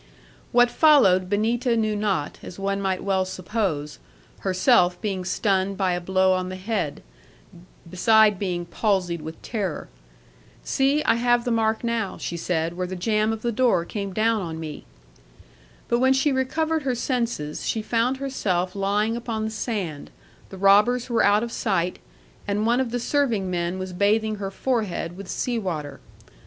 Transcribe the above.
'What followed Benita knew not, as one might well suppose, herself being stunned by a blow on the head, beside being palsied with terror. "See, I have the mark now," she said, "where the jamb of the door came down on me!" But when she recovered her senses, she found herself lying upon the sand, the robbers were out of sight, and one of the serving men was bathing her forehead with sea water.